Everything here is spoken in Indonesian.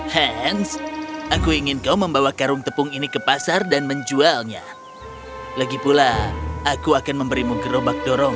hans aku ingin kau membawa karung tepung ini ke pasar dan menjualnya lagi pula aku akan memberimu gerobak dorong